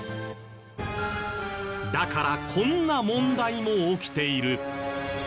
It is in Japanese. だからこんな問題も起きている。